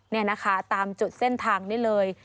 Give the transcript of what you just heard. นี่นะคะตามจุดเส้นทางนี้เลย